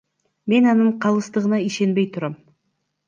Мен анын калыстыгына ишенбей турам.